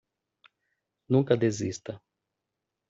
Nunca desista.